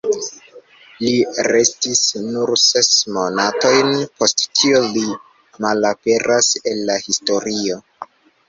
Li restis nur ses monatojn; post tio li malaperas el la historio.